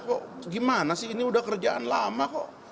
kok gimana sih ini udah kerjaan lama kok